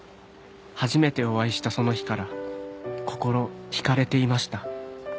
「初めてお会いしたその日から心惹かれていました」